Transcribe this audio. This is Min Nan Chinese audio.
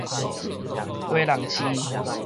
基隆市